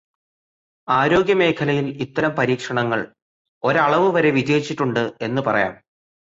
ആരോഗ്യമേഖലയിൽ ഇത്തരം പരീക്ഷണങ്ങൾ ഒരളവുവരെ വിജയിച്ചിട്ടുണ്ട് എന്നുപറയാം.